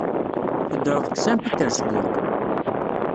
Teddred deg Saint Petersburg.